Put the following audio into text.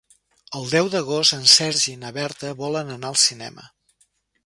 El deu d'agost en Sergi i na Berta volen anar al cinema.